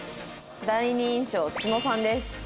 第二印象津野さんです。